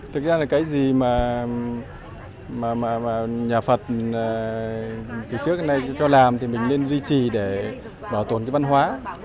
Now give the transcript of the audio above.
thực ra là cái gì mà nhà phật từ trước đến nay cho làm thì mình nên duy trì để bảo tồn cái văn hóa